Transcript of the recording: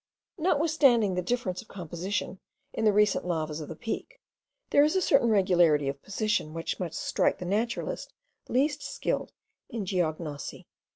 Notwithstanding the difference of composition in the recent lavas of the Peak, there is a certain regularity of position, which must strike the naturalist least skilled in geognosy.